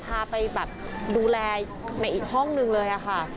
พาไปดูแลในอีกห้องหนึ่งเลย